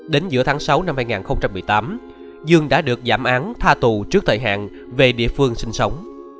đến giữa tháng sáu năm hai nghìn một mươi tám dương đã được giảm án tha tù trước thời hạn về địa phương sinh sống